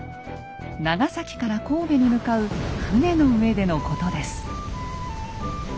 長崎から神戸に向かう船の上でのことです。